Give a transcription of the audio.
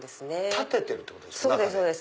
立ててるってことですね中で。